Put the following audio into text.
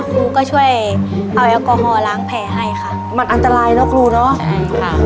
ครูก็ช่วยเอาแอลกอฮอลล้างแผลให้ค่ะมันอันตรายเนอะครูเนอะใช่ค่ะ